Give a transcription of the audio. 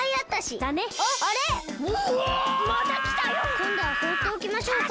こんどはほうっておきましょうか。